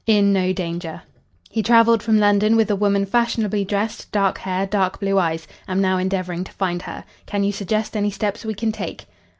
In no danger. He travelled from London with a woman fashionably dressed, dark hair, dark blue eyes. Am now endeavouring to find her. Can you suggest any steps we can take?"